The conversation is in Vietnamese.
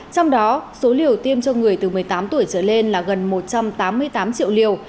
trong đó số liều tiêm cho người từ một mươi tám tuổi trở lên là gần một trăm tám mươi tám triệu liều